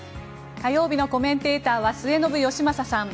火曜日のコメンテーターは末延吉正さん。